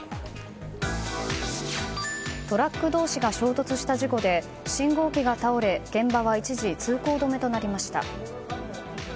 トラック同士が衝突した事故で信号機が倒れ現場は一時、通行止めとなりました。